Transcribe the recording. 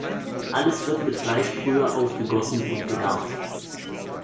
Alles wird mit Fleischbrühe aufgegossen und gegart.